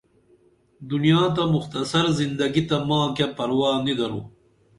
دنیا تہ مختصر زندگی تہ ماں کیہ پروا نی درو